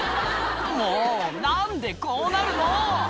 「もう何でこうなるの？」